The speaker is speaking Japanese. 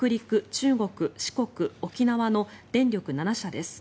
中国、四国、沖縄の電力７社です。